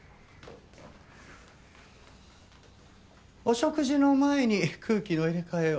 お食事の前に空気の入れ替えを。